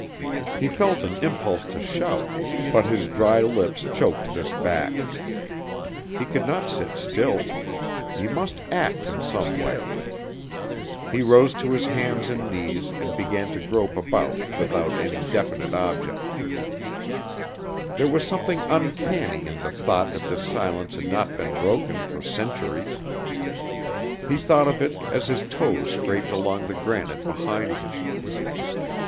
He felt an impulse to shout, but his dry lips choked this back. He could not sit still. He must act in some way. He rose to his hands and knees and began to grope about without any definite object. There was something uncanny in the thought that this silence had not been broken for centuries. He thought of it as his toes scraped along the granite behind him.